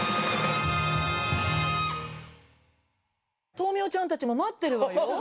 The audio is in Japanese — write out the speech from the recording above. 豆苗ちゃんたちも待ってるわよ。